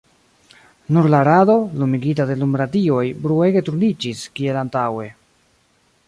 Nur la rado, lumigita de lunradioj, bruege turniĝis, kiel antaŭe.